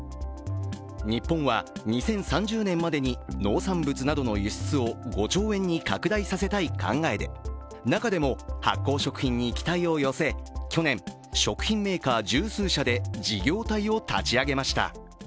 日本は２０３０年までに農産物などの輸出を５兆円に拡大させたい考えで、中でも発酵食品に期待を寄せ、去年、食品メーカー十数社で事業体を立ち上げました。